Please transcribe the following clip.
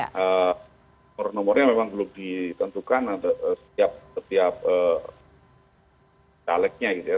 nomor nomornya memang belum ditentukan setiap calegnya gitu ya